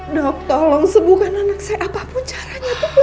dok tolong sebukan anak saya apapun caranya dok